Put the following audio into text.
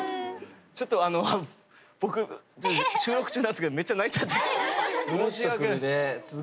ちょっとあの僕収録中なんすけどめっちゃ泣いちゃって申し訳ないです。